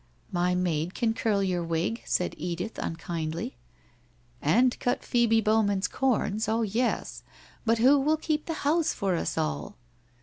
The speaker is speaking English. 'My maid can curl your wig/ said Edith, unkindly. 'And cut Phoebe Bowman's corns, oh, yes! But who will keep the house for us all?'